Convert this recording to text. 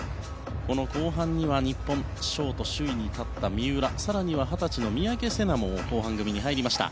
この後半には日本ショート首位に立った三浦更には二十歳の三宅星南も後半組に入りました。